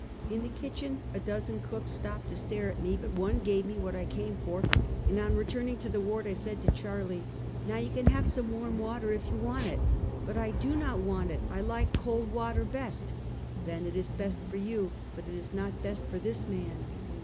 In the kitchen a dozen cooks stopped to stare at me, but one gave me what I came for, and on returning to the ward I said to Charlie: " ISTow you can have some warm water, if you want it." " But I do not want it! I like cold water best!" " Then it is best for you, but it is not best for this man!